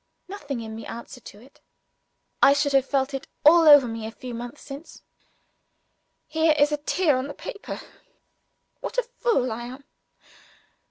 Nothing in me answered to it. I should have felt it all over me a few months since. Here is a tear on the paper. What a fool I am!